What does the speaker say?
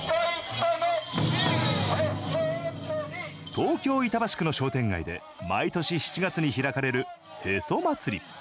東京・板橋区の商店街で毎年７月に開かれる、へそ祭り。